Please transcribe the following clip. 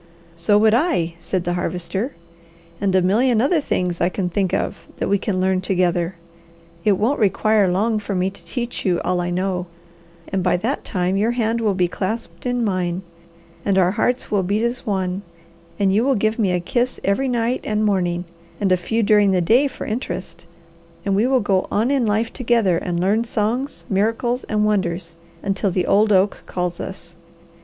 "So would I," said the Harvester. "And a million other things I can think of that we can learn together. It won't require long for me to teach you all I know, and by that time your hand will be clasped in mine, and our 'hearts will beat as one,' and you will give me a kiss every night and morning, and a few during the day for interest, and we will go on in life together and learn songs, miracles, and wonders until the old oak calls us.